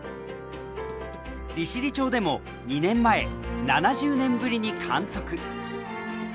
利尻町でも２年前７０年ぶりに観測。